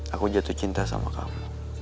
aku jatuh cinta sama kamu